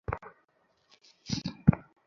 এজন্যই আমি তোমাকে পছন্দ করি - ইয়াহ ওকে?